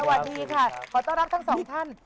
สวัสดีค่ะขอต้อนรับทั้งสองท่าน